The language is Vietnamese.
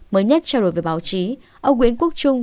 mới nhất trao đổi với báo chí ông nguyễn quốc trung